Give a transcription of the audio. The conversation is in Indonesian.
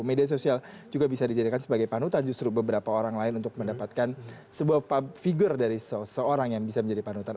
media sosial juga bisa dijadikan sebagai panutan justru beberapa orang lain untuk mendapatkan sebuah figur dari seseorang yang bisa menjadi panutan